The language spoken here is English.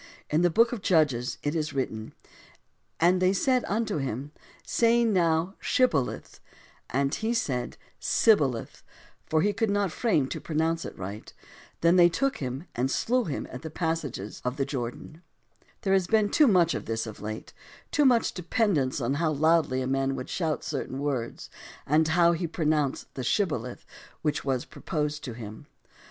In the Book of Judges it is written: Then said they unto him, "Say now 'Shibboleth.'" And he said "Sibboleth": for he could not frame to pronounce it THE DEMOCRACY OF ABRAHAM LINCOLN 159 right. Then they took him and slew him at the passages of the Jordan. There has been too much of this of late, too much dependence on how loudly a man could shout certain words and how he pronounced the "Shibboleth" which was proposed to him.